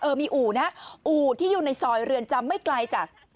มีอู่นะอู่ที่อยู่ในซอยเรือนจำไม่ไกลจาก